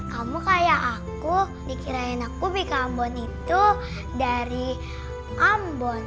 kamu kayak aku dikirain aku mie ke ambon itu dari ambon